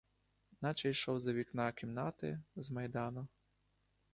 Наче йшов з-за вікна кімнати, з майдану.